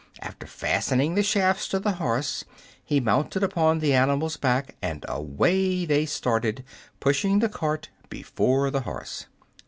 After fastening the shafts to the horse, he mounted upon the animal's back, and away they started, pushing the cart before the horse.